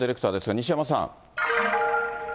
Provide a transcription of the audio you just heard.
西山さん。